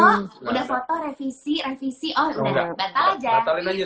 oh udah batalkan aja